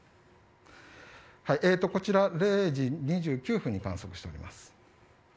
こちら０時２９分に観測しております。